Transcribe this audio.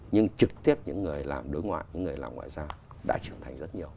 nhưng trực tiếp những người làm đối ngoại những người làm ngoại giao đã trưởng thành rất nhiều